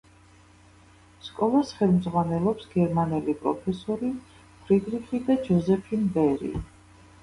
სკოლას ხელმძღვანელობს გერმანელი პროფესორი ფრიდრიხი და ჯოზეფინ ბერი.